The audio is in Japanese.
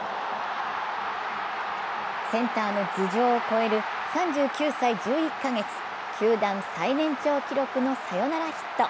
センターの頭上を越える３９歳１１か月、球団最年長記録のサヨナラヒット。